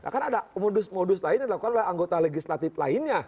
kan ada modus modus lain yang dilakukan oleh anggota legislatif lainnya